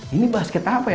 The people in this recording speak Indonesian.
ini basket apa ya